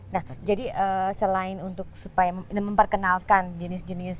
nah jadi selain untuk supaya memperkenalkan jenis jenis